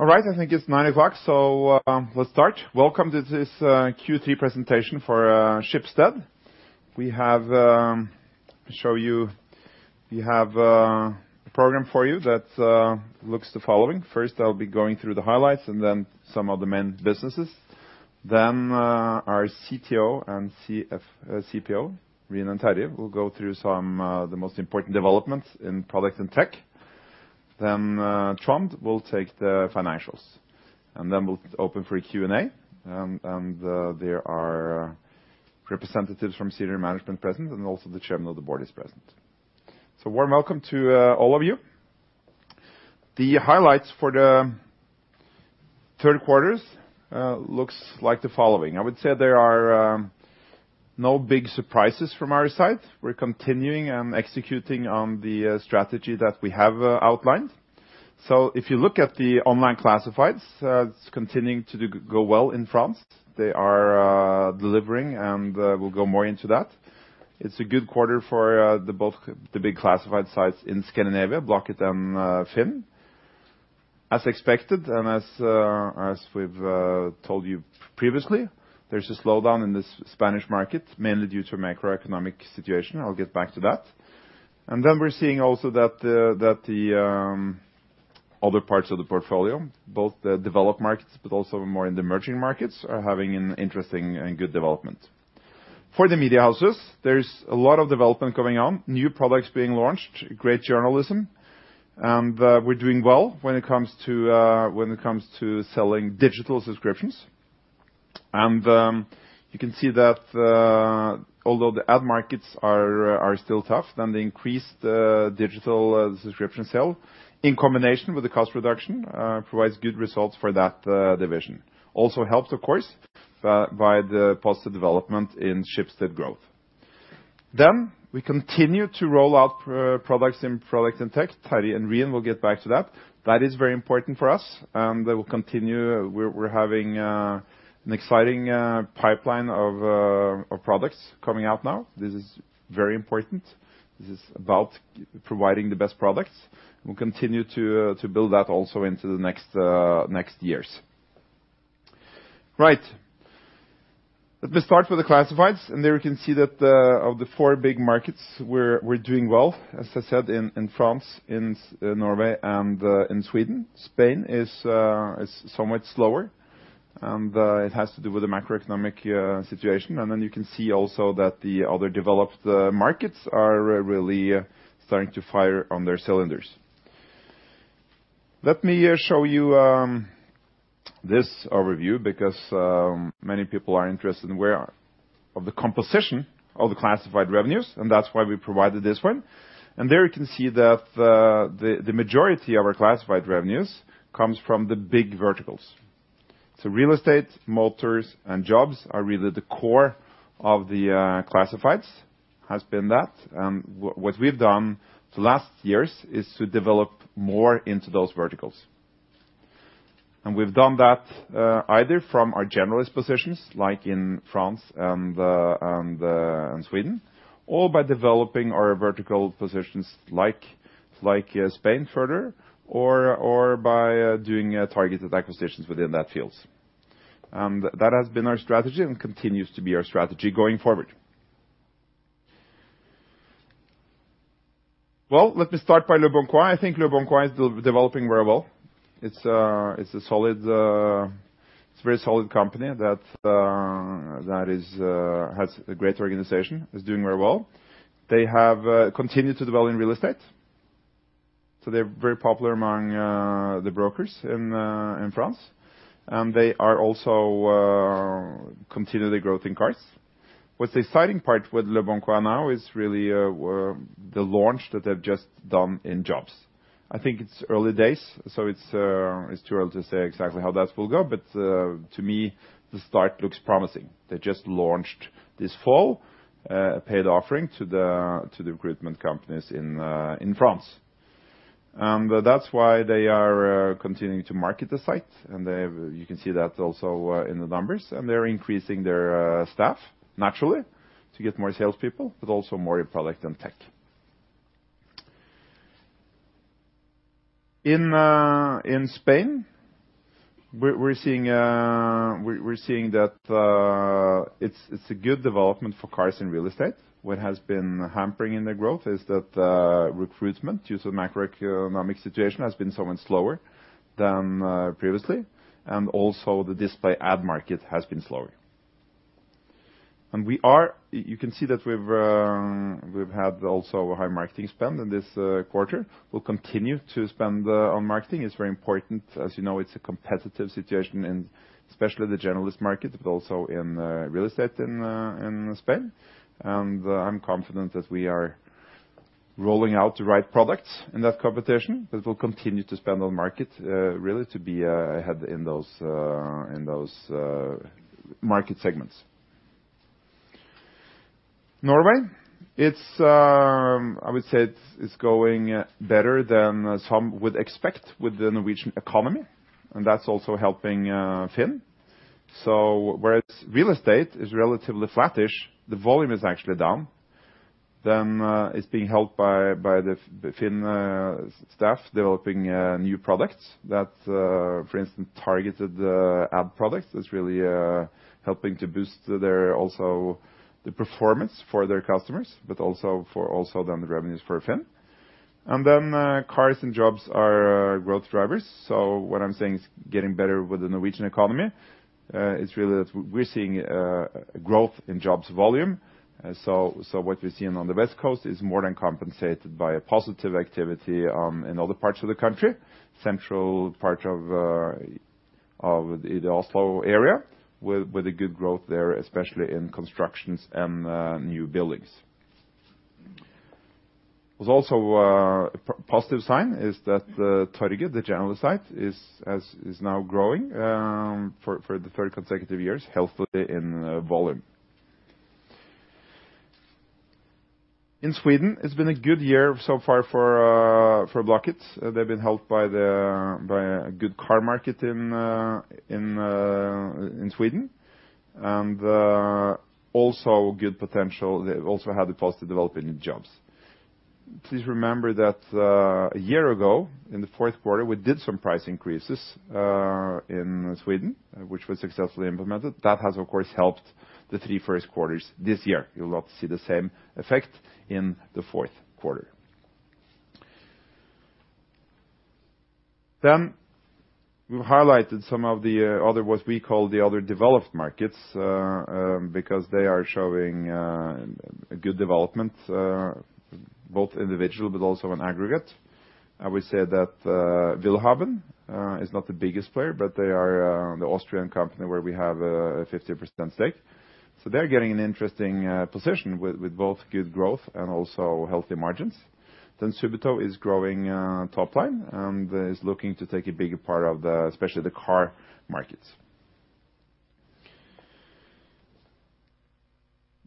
All right, I think it's 9:00 A.M. Let's start. Welcome to this Q3 presentation for Schibsted. We have a program for you that looks the following. First, I'll be going through the highlights and then some of the main businesses. Our CTO and CPO, Rian and Terje, will go through some the most important developments in product and tech. Trond will take the financials, and then we'll open for a Q&A. There are representatives from senior management present, and also the chairman of the board is present. Warm welcome to all of you. The highlights for the Q3 looks like the following. I would say there are no big surprises from our side. We're continuing and executing on the strategy that we have outlined. If you look at the online classifieds, it's continuing to go well in France. They are delivering, and we'll go more into that. It's a good quarter for the big classified sites in Scandinavia, Blocket and FINN. As expected, and as we've told you previously, there's a slowdown in the Spanish market, mainly due to a macroeconomic situation. I'll get back to that. We're seeing also that the other parts of the portfolio, both the developed markets but also more in the emerging markets, are having an interesting and good development. For the media houses, there's a lot of development going on, new products being launched, great journalism, and we're doing well when it comes to selling digital subscriptions. You can see that, although the ad markets are still tough, then the increased digital subscription sale, in combination with the cost reduction, provides good results for that division. Also helps, of course, by the positive development in Schibsted Growth. We continue to roll out pro-products in product and tech. Terje and Rian will get back to that. That is very important for us, and they will continue. We're having an exciting pipeline of products coming out now. This is very important. This is about providing the best products. We'll continue to build that also into the next years. Right. Let me start with the classifieds, there you can see that of the four big markets, we're doing well, as I said, in France, in Norway and in Sweden. Spain is somewhat slower, and it has to do with the macroeconomic situation. You can see also that the other developed markets are really starting to fire on their cylinders. Let me show you this overview because many people are interested in of the composition of the classified revenues, and that's why we provided this one. There you can see that the majority of our classified revenues comes from the big verticals. Real estate, motors, and jobs are really the core of the classifieds, has been that. What we've done the last years is to develop more into those verticals. We've done that either from our generalist positions, like in France and Sweden, or by developing our vertical positions, like Spain further or by doing targeted acquisitions within that field. That has been our strategy and continues to be our strategy going forward. Let me start by leboncoin. I think leboncoin is developing very well. It's a very solid company that is has a great organization, is doing very well. They have continued to develop in real estate, so they're very popular among the brokers in France. They are also continue the growth in cars. What's the exciting part with leboncoin now is really the launch that they've just done in jobs. I think it's early days, so it's too early to say exactly how that will go. But to me, the start looks promising. They just launched this fall a paid offering to the recruitment companies in France. That's why they are continuing to market the site. You can see that also in the numbers. They're increasing their staff, naturally, to get more salespeople, but also more in product and tech. In Spain, we're seeing that it's a good development for cars and real estate. What has been hampering in the growth is that recruitment, due to the macroeconomic situation, has been so much slower than previously. Also the display ad market has been slower. You can see that we've had also a high marketing spend in this quarter. We'll continue to spend on marketing. It's very important. As you know, it's a competitive situation in especially the generalist market, but also in real estate in Spain. I'm confident that we are rolling out the right products in that competition, but we'll continue to spend on market really to be ahead in those market segments. Norway, I would say it's going better than some would expect with the Norwegian economy. That's also helping FINN. Whereas real estate is relatively flattish, the volume is actually down. It's being helped by the FINN staff developing new products that, for instance, targeted the ad products. It's really helping to boost their also the performance for their customers, but also then the revenues for FINN. Cars and jobs are growth drivers. What I'm saying is getting better with the Norwegian economy. It's really that we're seeing growth in jobs volume. What we're seeing on the West Coast is more than compensated by a positive activity in other parts of the country. Central part of the Oslo area with a good growth there, especially in constructions and new buildings. There's also a positive sign is that Torget, the general site, is now growing for the third consecutive years, healthily in volume. In Sweden, it's been a good year so far for Blocket. They've been helped by a good car market in Sweden, and also good potential. They've also had a positive development in jobs. Please remember that a year ago, in the Q4, we did some price increases in Sweden, which was successfully implemented. That has, of course, helped the three first quarters this year. You'll not see the same effect in the Q4. We've highlighted some of the other, what we call the other developed markets, because they are showing a good development, both individual but also on aggregate. I would say that willhaben is not the biggest player, but they are the Austrian company where we have a 50% stake. They're getting an interesting position with both good growth and also healthy margins. Subito is growing top line and is looking to take a bigger part, especially the car markets.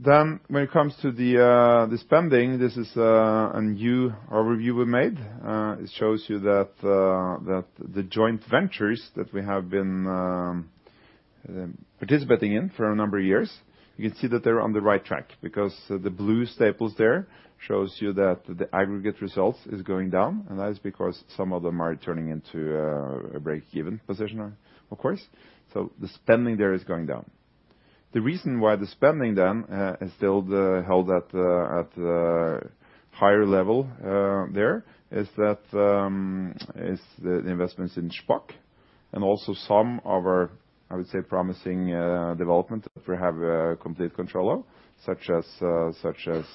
When it comes to the spending, this is a new overview we made. It shows you that the joint ventures that we have been participating in for a number of years, you can see that they're on the right track because the blue staples there shows you that the aggregate results is going down. That is because some of them are turning into a break-even position, of course. The spending there is going down. The reason why the spending then is still held at the higher level there is that is the investments in Shpock and also some of our, I would say, promising development that we have complete control of, such as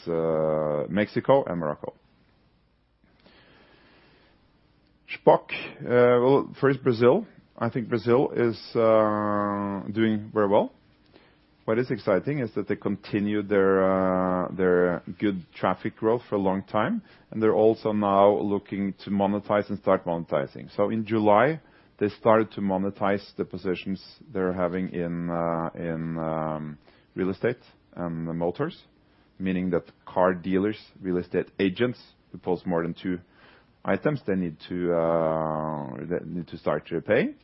Mexico and Morocco. Shpock, well, first Brazil. I think Brazil is doing very well. What is exciting is that they continued their good traffic growth for a long time, and they're also now looking to monetize and start monetizing. In July, they started to monetize the positions they're having in real estate and motors, meaning that car dealers, real estate agents who post more than two items, they need to start to pay.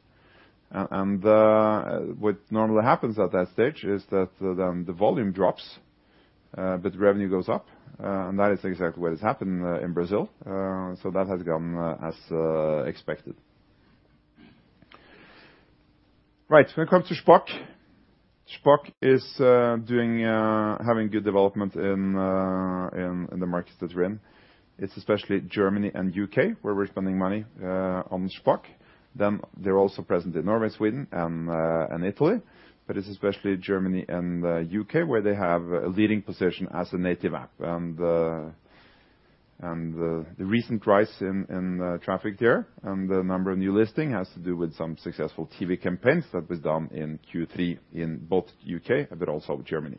What normally happens at that stage is that then the volume drops, but the revenue goes up. That is exactly what has happened in Brazil. That has gone as expected. Right. When it comes to Shpock is doing, having good development in the markets that we're in. It's especially Germany and U.K., where we're spending money on Shpock. They're also present in Norway, Sweden, and Italy. It's especially Germany and the U.K., where they have a leading position as a native app. The recent rise in traffic there and the number of new listing has to do with some successful TV campaigns that was done in Q3 in both U.K. but also Germany.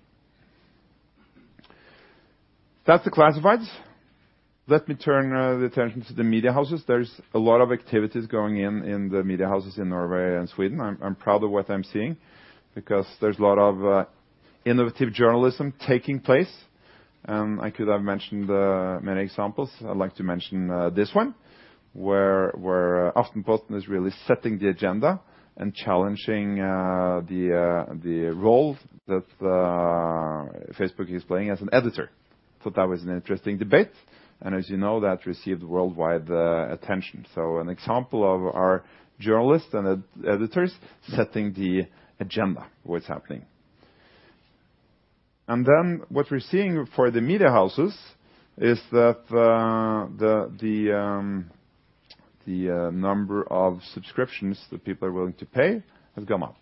That's the classifieds. Let me turn the attention to the media houses. There's a lot of activities going in the media houses in Norway and Sweden. I'm proud of what I'm seeing because there's a lot of innovative journalism taking place. I could have mentioned many examples. I'd like to mention this one, where Aftenposten is really setting the agenda and challenging the role that Facebook is playing as an editor. Thought that was an interesting debate. As you know, that received worldwide attention. An example of our journalists and editors setting the agenda, what's happening. What we're seeing for the media houses is that the number of subscriptions that people are willing to pay has gone up.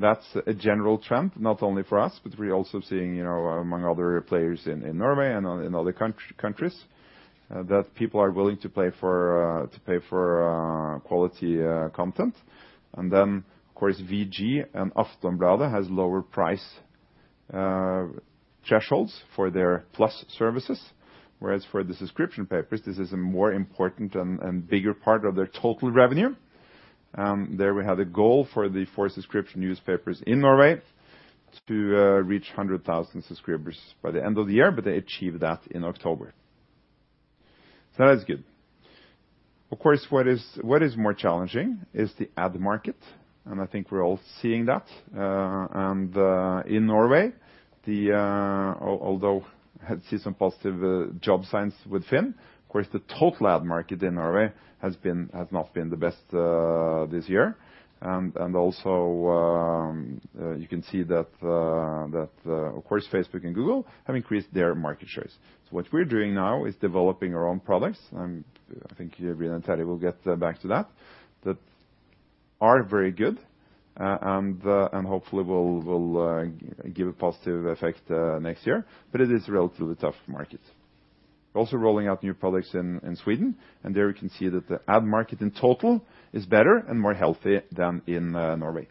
That's a general trend, not only for us, but we're also seeing, you know, among other players in Norway and in other countries, that people are willing to pay for quality content. Of course, VG and Aftenbladet has lower price thresholds for their plus services, whereas for the subscription papers, this is a more important and bigger part of their total revenue. There we have a goal for the four subscription newspapers in Norway to reach 100,000 subscribers by the end of the year, but they achieved that in October. That's good. Of course, what is more challenging is the ad market, I think we're all seeing that. In Norway. Although had see some positive job signs with FINN, of course, the total ad market in Norway has not been the best this year. Also, you can see that, of course, Facebook and Google have increased their market shares. What we're doing now is developing our own products, and I think Rian and Terje will get back to that are very good, and hopefully will give a positive effect next year. It is a relatively tough market. Also rolling out new products in Sweden. There you can see that the ad market in total is better and more healthy than in Norway.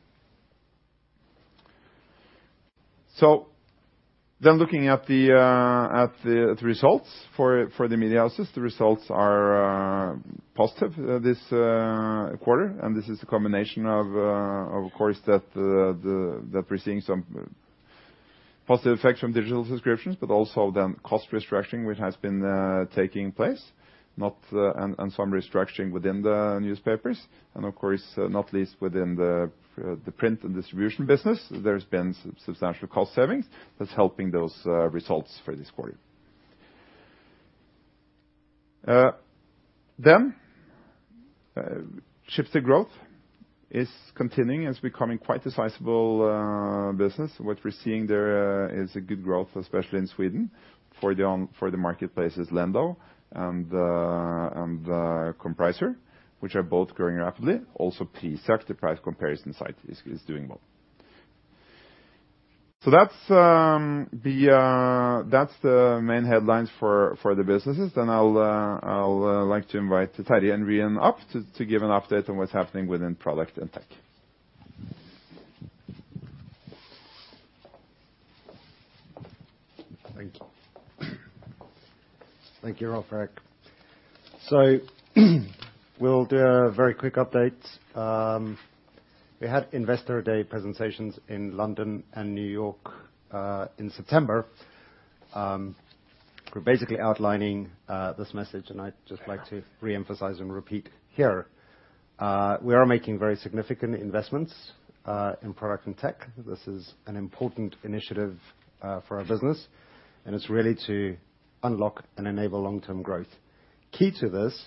Looking at the results for the media houses, the results are positive this quarter, and this is a combination of course, that we're seeing some positive effects from digital subscriptions, but also then cost restructuring which has been taking place, and some restructuring within the newspapers and of course, not least within the print and distribution business, there's been substantial cost savings that's helping those results for this quarter. Schibsted Growth is continuing and is becoming quite a sizable business. What we're seeing there is a good growth, especially in Sweden for the marketplaces Lendo and Compricer, which are both growing rapidly. Also Prisjakt, the price comparison site is doing well. That's the main headlines for the businesses. I'll like to invite Terje and Rian up to give an update on what's happening within product and tech. Thank you. Thank you, Rolv Erik. We'll do a very quick update. We had Investor Day presentations in London and New York in September, we're basically outlining this message, and I'd just like to re-emphasize and repeat here. We are making very significant investments in product and tech. This is an important initiative for our business, and it's really to unlock and enable long-term growth. Key to this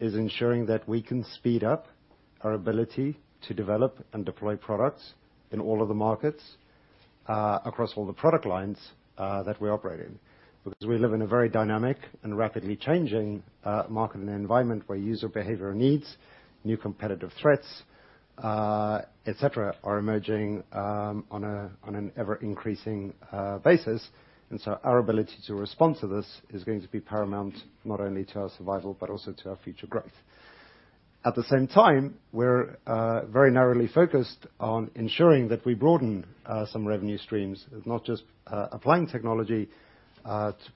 is ensuring that we can speed up our ability to develop and deploy products in all of the markets across all the product lines that we operate in, because we live in a very dynamic and rapidly changing market and environment where user behavior needs, new competitive threats, et cetera, are emerging on an ever-increasing basis. Our ability to respond to this is going to be paramount not only to our survival, but also to our future growth. At the same time, we're very narrowly focused on ensuring that we broaden some revenue streams, not just applying technology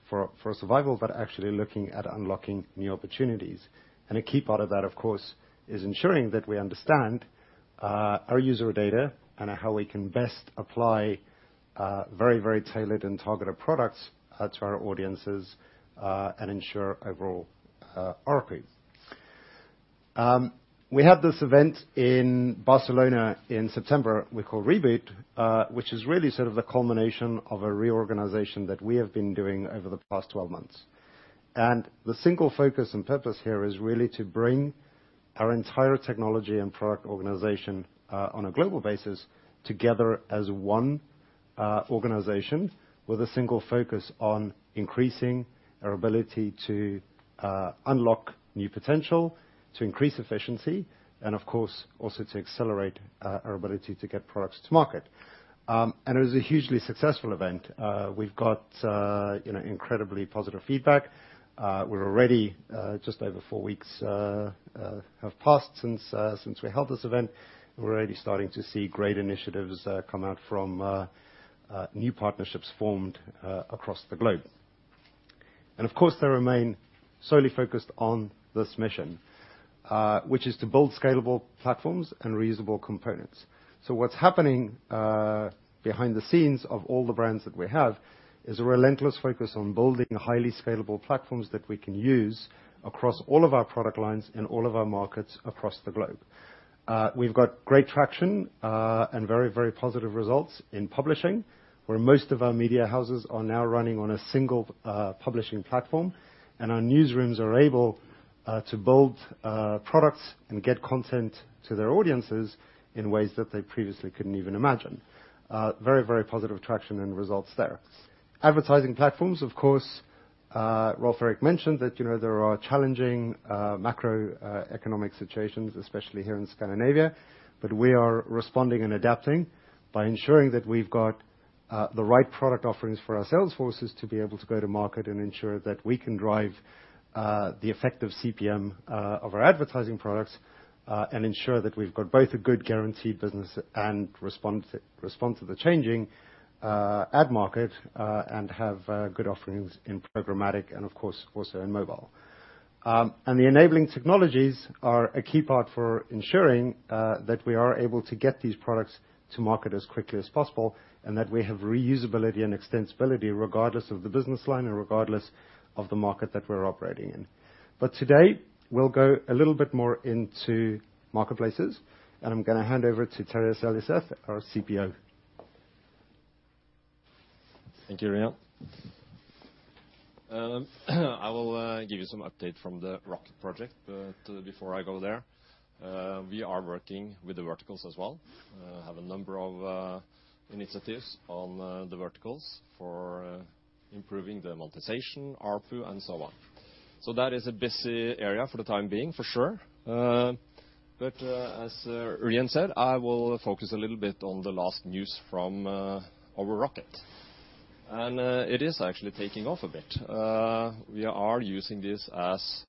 for survival, but actually looking at unlocking new opportunities. A key part of that, of course, is ensuring that we understand our user data and how we can best apply very tailored and targeted products to our audiences and ensure overall ARPC. We had this event in Barcelona in September we call Reboot, which is really sort of the culmination of a reorganization that we have been doing over the past 12 months. The single focus and purpose here is really to bring our entire technology and product organization on a global basis together as one organization with a single focus on increasing our ability to unlock new potential, to increase efficiency, and of course, also to accelerate our ability to get products to market. It was a hugely successful event. We've got, you know, incredibly positive feedback. We're already just over four weeks have passed since we held this event. We're already starting to see great initiatives come out from new partnerships formed across the globe. Of course, they remain solely focused on this mission, which is to build scalable platforms and reusable components. What's happening behind the scenes of all the brands that we have is a relentless focus on building highly scalable platforms that we can use across all of our product lines in all of our markets across the globe. We've got great traction and very, very positive results in publishing, where most of our media houses are now running on a single publishing platform, and our newsrooms are able to build products and get content to their audiences in ways that they previously couldn't even imagine. Very, very positive traction and results there. Advertising platforms, of course, Rolv Erik mentioned that, you know, there are challenging, macroeconomic situations, especially here in Scandinavia, but we are responding and adapting by ensuring that we've got the right product offerings for our sales forces to be able to go to market and ensure that we can drive the effect of CPM of our advertising products, and ensure that we've got both a good guaranteed business and response to the changing ad market, and have good offerings in programmatic and of course, also in mobile. The enabling technologies are a key part for ensuring that we are able to get these products to market as quickly as possible, and that we have reusability and extensibility regardless of the business line and regardless of the market that we're operating in. Today, we'll go a little bit more into marketplaces, and I'm going to hand over to Terje Seljeseth, our CPO. Thank you, Rian. I will give you some update from the Rocket project. Before I go there, we are working with the verticals as well. Have a number of initiatives on the verticals for improving the monetization, ARPU, and so on. That is a busy area for the time being, for sure. As Rian said, I will focus a little bit on the last news from our Rocket. It is actually taking off a bit. We are using this as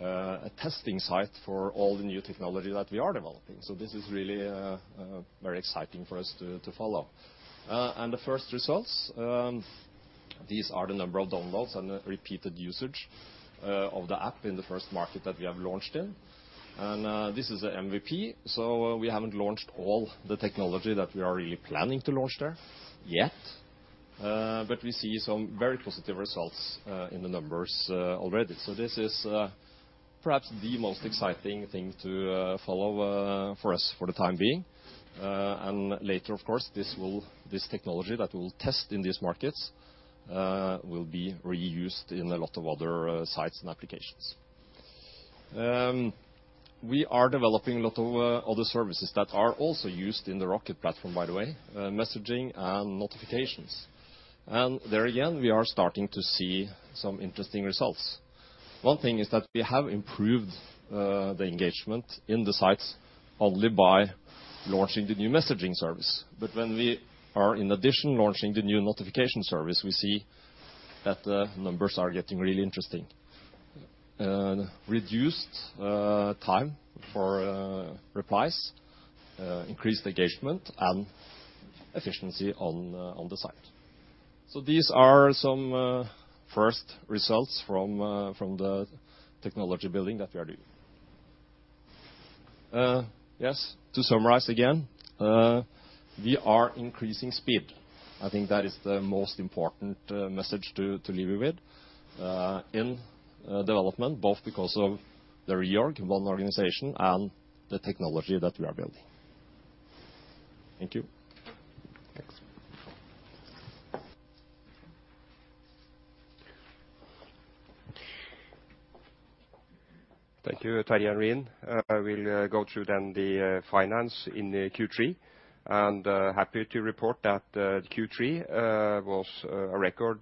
a testing site for all the new technology that we are developing, so this is really very exciting for us to follow. The first results, these are the number of downloads and repeated usage of the app in the first market that we have launched in. This is a MVP, so we haven't launched all the technology that we are really planning to launch there yet. We see some very positive results in the numbers already. This is perhaps the most exciting thing to follow for us for the time being. Later, of course, this technology that we'll test in these markets will be reused in a lot of other sites and applications. We are developing a lot of other services that are also used in the Rocket platform, by the way, messaging and notifications. There again, we are starting to see some interesting results. One thing is that we have improved the engagement in the sites only by launching the new messaging service. When we are in addition launching the new notification service, we see that the numbers are getting really interesting. Reduced time for replies, increased engagement, and efficiency on the site. These are some first results from the technology building that we are doing. Yes, to summarize again, we are increasing speed. I think that is the most important message to leave you with in development, both because of the reorg, one organization, and the technology that we are building. Thank you. Thanks. Thank you, Terje and Rian. We'll go through the finance in Q3, happy to report that Q3 was a record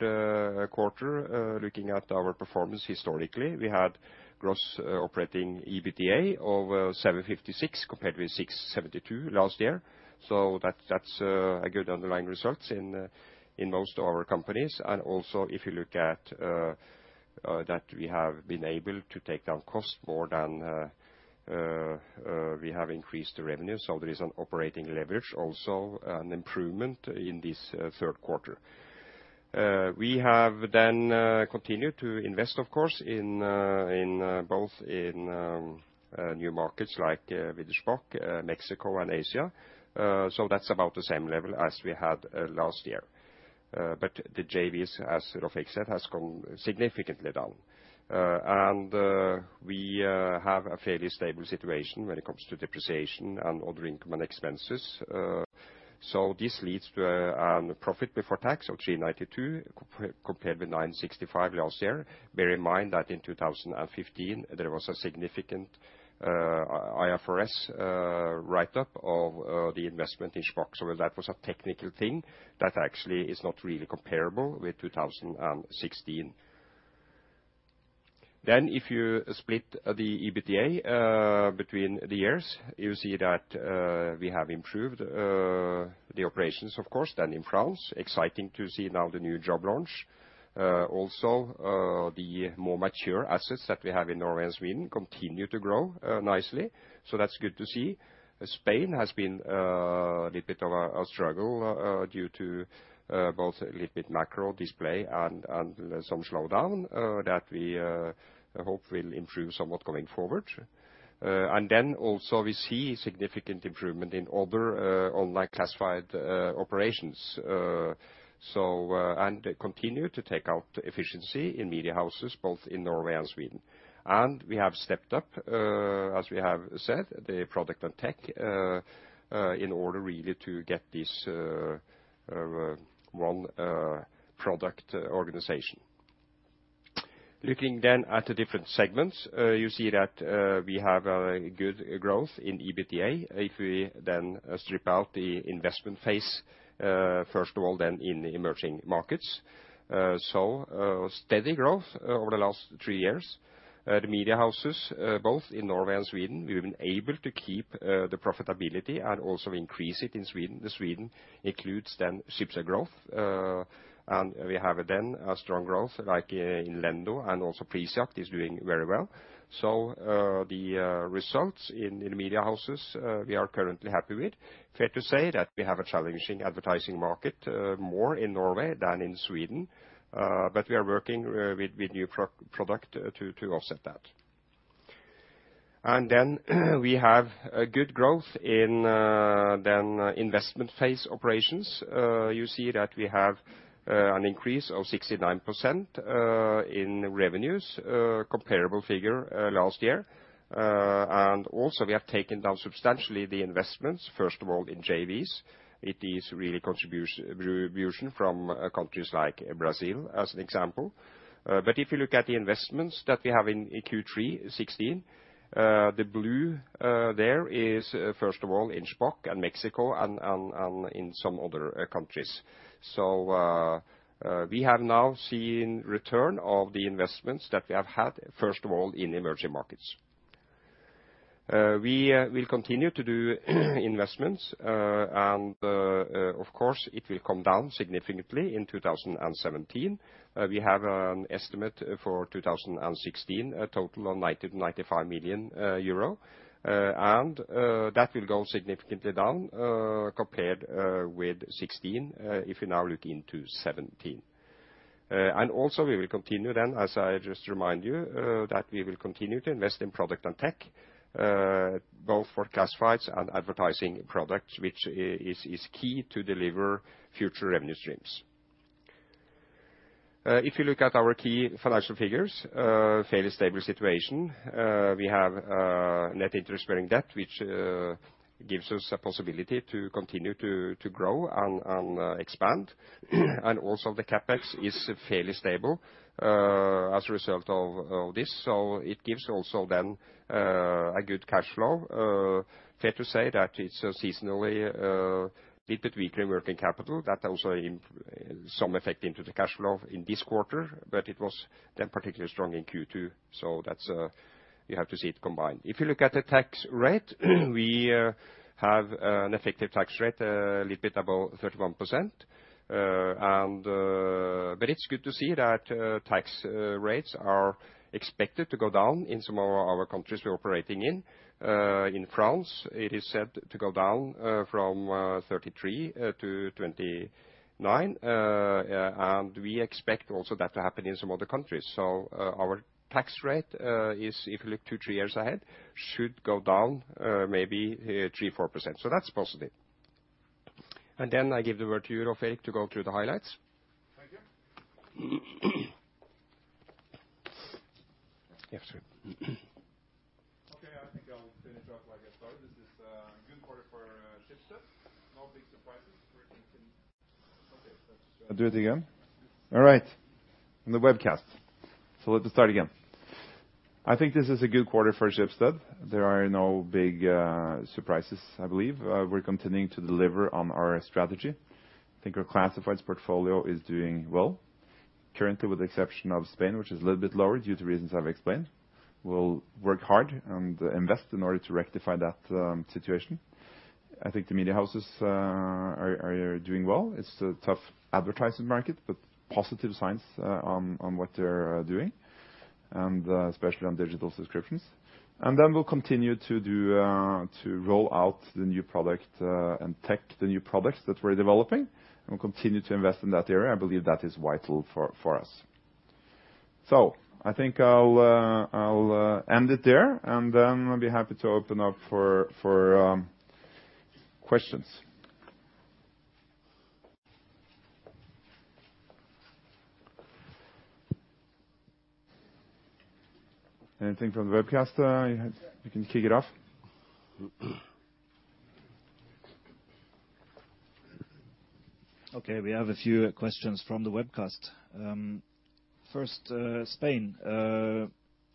quarter. Looking at our performance historically, we had gross operating EBITDA of 756 compared with 672 last year. That's a good underlying results in most of our companies. Also, if you look at that we have been able to take down costs more than we have increased the revenue, there is an operating leverage also an improvement in this Q3. We have continued to invest, of course, in both, in new markets like with Shpock, Mexico and Asia. That's about the same level as we had last year. The JVs, as Rolv said, has come significantly down. We have a fairly stable situation when it comes to depreciation and other income and expenses. This leads to profit before tax of 392 compared with 965 last year. Bear in mind that in 2015, there was a significant IFRS write-up of the investment in Shpock. That was a technical thing that actually is not really comparable with 2016. If you split the EBITDA between the years, you see that we have improved the operations, of course, than in France. Exciting to see now the new job launch. Also, the more mature assets that we have in Norway and Sweden continue to grow nicely. That's good to see. Spain has been a little bit of a struggle due to both a little bit macro display and some slowdown that we hope will improve somewhat going forward. Also we see significant improvement in other online classified operations. Continue to take out efficiency in media houses, both in Norway and Sweden. We have stepped up, as we have said, the product and tech in order really to get this one product organization. Looking then at the different segments, you see that we have a good growth in EBITDA if we then strip out the investment phase, first of all, then in the emerging markets. Steady growth over the last three years. The media houses, both in Norway and Sweden, we've been able to keep the profitability and also increase it in Sweden. Sweden includes then Schibsted Growth, and we have then a strong growth like in Lendo, and also Prisjakt is doing very well. The results in the media houses, we are currently happy with. Fair to say that we have a challenging advertising market, more in Norway than in Sweden. We are working with new product to offset that. We have a good growth in then investment phase operations. You see that we have an increase of 69% in revenues, comparable figure last year. We have taken down substantially the investments, first of all in JVs. It is really contribution from countries like Brazil as an example. If you look at the investments that we have in Q3 2016, the blue there is, first of all in Shpock and Mexico and in some other countries. We have now seen return of the investments that we have had, first of all in emerging markets. We will continue to do investments, and of course it will come down significantly in 2017. We have an estimate for 2016, a total of 90 million-95 million euro. That will go significantly down compared with 2016, if you now look into 2017. Also we will continue then, as I just remind you, that we will continue to invest in product and tech, both for classifieds and advertising products, which is key to deliver future revenue streams. If you look at our key financial figures, fairly stable situation. We have net interest-bearing debt, which gives us a possibility to continue to grow and expand. Also, the CapEx is fairly stable as a result of this, it gives also then a good cash flow. Fair to say that it's seasonally a little bit weaker in working capital. That also in some effect into the cash flow in this quarter, it was then particularly strong in Q2. That's you have to see it combined. If you look at the tax rate, we have an effective tax rate, a little bit above 31%. It's good to see that tax rates are expected to go down in some of our countries we're operating in. In France, it is said to go down from 33% to 29%. We expect also that to happen in some other countries. Our tax rate is if you look two, three years ahead, should go down, maybe 3%, 4%. That's positive. I give the word to you, Rolv Erik, to go through the highlights. Thank you. Yeah, sure. Okay, I think I will finish up like I started. This is a good quarter for Schibsted. No big surprises. We're continuing. Okay. I'll do it again? All right. On the webcast. Let me start again. I think this is a good quarter for Schibsted. There are no big surprises, I believe. We're continuing to deliver on our strategy. I think our classifieds portfolio is doing well. Currently, with the exception of Spain, which is a little bit lower due to reasons I've explained. We'll work hard and invest in order to rectify that situation. I think the media houses are doing well. It's a tough advertising market, but positive signs on what they're doing, and especially on digital subscriptions. We'll continue to roll out the new products that we're developing, and we'll continue to invest in that area. I believe that is vital for us. I think I'll end it there. Then I'll be happy to open up for questions. Anything from the webcast? You can kick it off. Okay, we have a few questions from the webcast. First, Spain.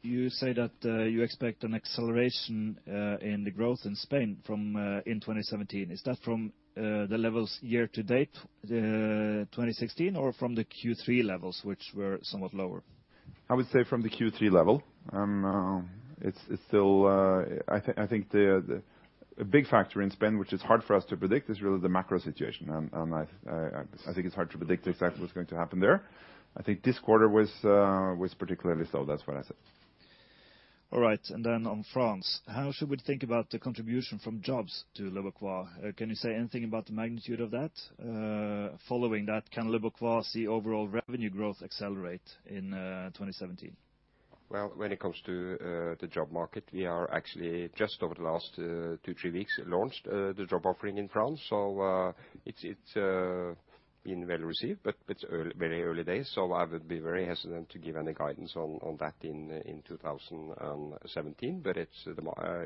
You say that you expect an acceleration in the growth in Spain from in 2017. Is that from the levels year to date 2016, or from the Q3 levels, which were somewhat lower? I would say from the Q3 level. It's still, I think the big factor in Spain, which is hard for us to predict, is really the macro situation. I think it's hard to predict exactly what's going to happen there. I think this quarter was particularly so. That's what I said. All right. Then on France. How should we think about the contribution from jobs to leboncoin? Can you say anything about the magnitude of that? Following that, can leboncoin see overall revenue growth accelerate in 2017? Well, when it comes to the job market, we are actually just over the last two, three weeks, launched the job offering in France. It's been well received, but it's very early days, so I would be very hesitant to give any guidance on that in 2017.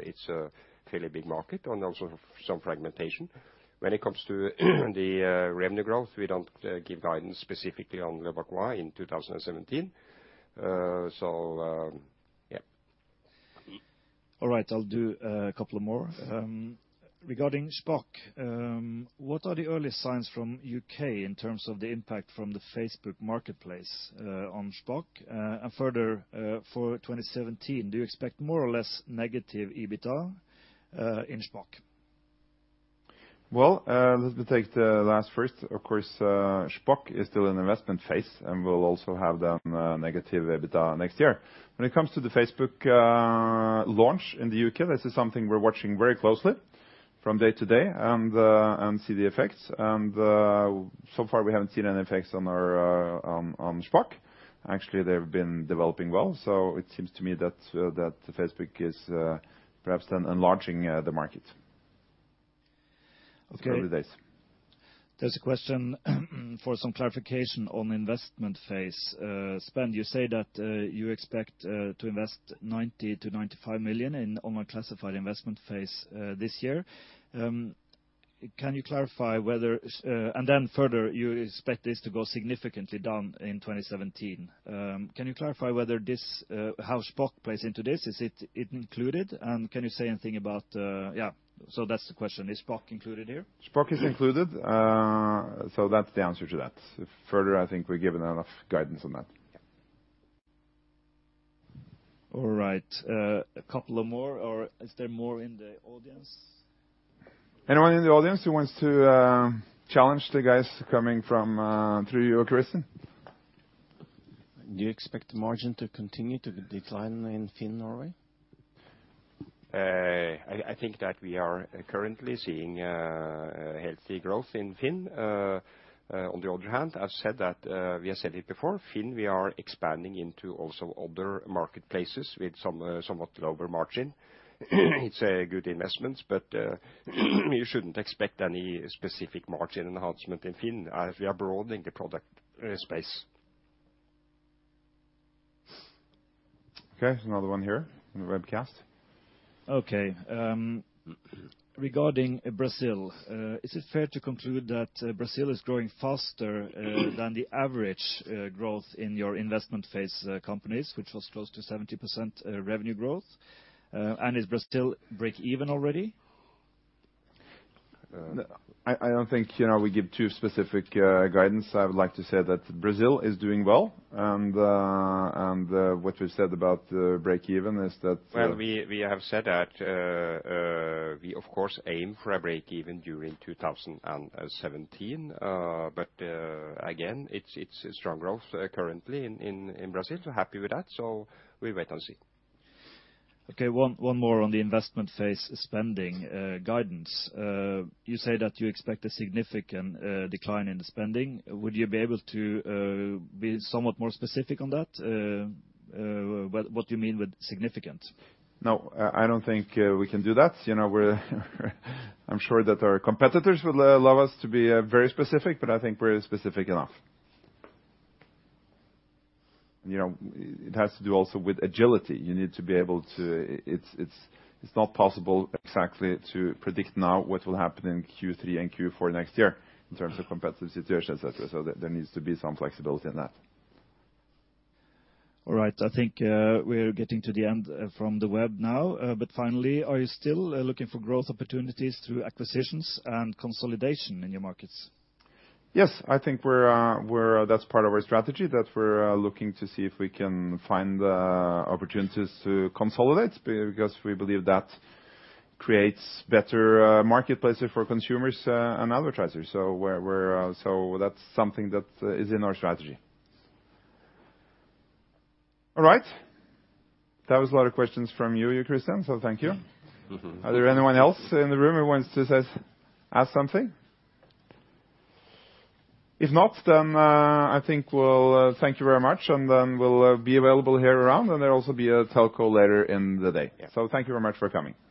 It's a fairly big market and also some fragmentation. When it comes to the revenue growth, we don't give guidance specifically on leboncoin in 2017. Yeah. All right, I'll do a couple more. Regarding Shpock, what are the early signs from U.K. in terms of the impact from the Facebook Marketplace on Shpock? Further, for 2017, do you expect more or less negative EBITDA in Shpock? Well, let me take the last first. Of course, Shpock is still in investment phase, and we'll also have them negative EBITDA next year. When it comes to the Facebook launch in the U.K., this is something we're watching very closely from day to day and see the effects. So far, we haven't seen any effects on our on Shpock. Actually, they've been developing well, so it seems to me that Facebook is perhaps then enlarging the market. Okay. Early days. There's a question for some clarification on investment phase, spend. You say that you expect to invest 90 million-95 million in online classified investment phase, this year. Can you clarify whether. Further, you expect this to go significantly down in 2017. Can you clarify whether this, how Shpock plays into this? Is it included, and can you say anything about. Yeah, that's the question, Is Shpock included here? Shpock is included, so that's the answer to that. Further, I think we've given enough guidance on that. All right. a couple of more, or is there more in the audience? Anyone in the audience who wants to challenge the guys coming from through you, Christian? Do you expect the margin to continue to decline in FINN Norway? I think that we are currently seeing growth in FINN. On the other hand, I've said that we have said it before, FINN, we are expanding into also other marketplaces with some somewhat lower margin. It's a good investment, but we shouldn't expect any specific margin enhancement in FINN as we are broadening the product space. Okay, another one here in the webcast. Okay. Regarding Brazil, is it fair to conclude that Brazil is growing faster than the average growth in your investment phase companies, which was close to 70% revenue growth? And is Brazil breakeven already? `` I don't think, you know, we give too specific guidance. I would like to say that Brazil is doing well. What we said about the breakeven. Well, we have said that we of course aim for a breakeven during 2017. Again, it's a strong growth currently in Brazil. We're happy with that, we wait and see. One more on the investment phase spending guidance. You say that you expect a significant decline in the spending. Would you be able to be somewhat more specific on that? What do you mean with significant? No, I don't think we can do that. You know, we're I'm sure that our competitors would love us to be very specific, but I think we're specific enough. You know, it has to do also with agility. You need to be able to. It's not possible exactly to predict now what will happen in Q3 and Q4 next year in terms of competitive situation, et cetera. There needs to be some flexibility in that. All right. I think, we're getting to the end from the web now. Finally, are you still looking for growth opportunities through acquisitions and consolidation in your markets? Yes. That's part of our strategy, that we're looking to see if we can find the opportunities to consolidate because we believe that creates better marketplace for consumers and advertisers. That's something that is in our strategy. That was a lot of questions from you Christian, thank you. Mm-hmm. Are there anyone else in the room who wants to ask something? If not, then I think we'll thank you very much, and then we'll be available here around. There'll also be a telco later in the day. Yeah. Thank you very much for coming. Thank you.